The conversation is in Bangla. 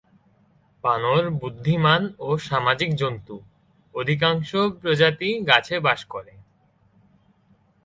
বানর বুদ্ধিমান ও সামাজিক জন্তু; অধিকাংশ প্রজাতিই গাছে বাস করে।